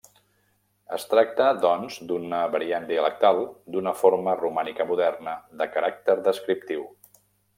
Es tracta, doncs, d'una variant dialectal d'una forma romànica moderna, de caràcter descriptiu.